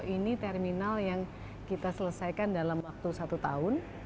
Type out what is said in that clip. ini terminal yang kita selesaikan dalam waktu satu tahun